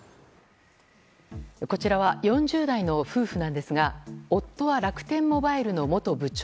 こちらは４０代の夫婦なんですが夫は楽天モバイルの元部長。